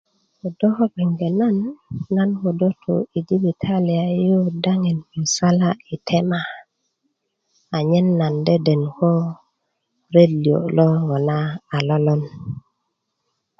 ködö ko gbeŋge nan ködö tu jibitaliya yu daŋin musala yi tema anyen nan deden ko ret liyo' lo ŋona a lolon